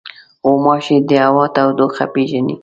غوماشې د هوا تودوخه پېژني.